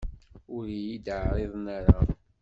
Ur iyi-d-ɛriḍen ara.